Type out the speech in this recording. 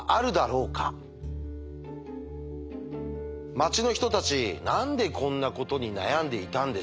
町の人たち何でこんなことに悩んでいたんでしょうか？